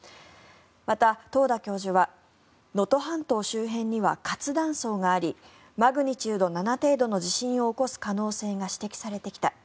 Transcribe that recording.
また、遠田教授は能登半島周辺には活断層がありマグニチュード７程度の地震を起こす可能性が指摘されてきた。